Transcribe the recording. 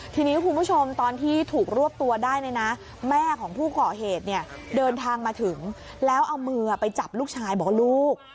ทีนี้คุณผู้ชมตอนที่ถูกรวบตัวได้เนี่ยนะแม่ของผู้ก่อเหตุเนี่ยเดินทางมาถึงแล้วเอามือไปจับลูกชายบอกว่าลูก